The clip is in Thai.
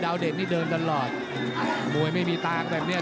ดาวเดชน์นี่เดินตลอดอืมมวยไม่มีตากแบบเนี้ย